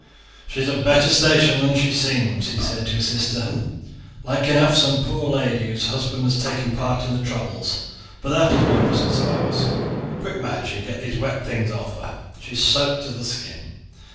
"She is of better station than she seems," he said to his sister; "like enough some poor lady whose husband has taken part in the troubles; but that is no business of ours. Quick, Madge, and get these wet things off her; she is soaked to the skin.